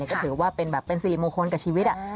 ก็ถือว่าเป็นสิริมงคลกับชีวิต